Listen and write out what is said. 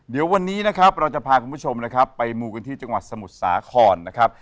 เดี๋ยววันนี้นะครับเราจะพาคุณผู้ชมนะครับไปมูกันที่จังหวัดสมุทรสาครนะครับ